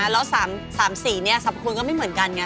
แล้วสามสี่นี่สรรพคลก็ไม่เหมือนกันไง